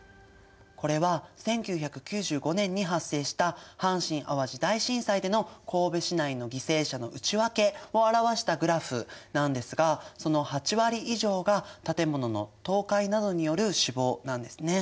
これは１９９５年に発生した阪神・淡路大震災での神戸市内の犠牲者の内訳を表したグラフなんですがその８割以上が建物の倒壊などによる死亡なんですね。